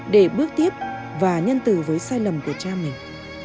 để bước tiếp và nhân từ với sai lầm của cha mình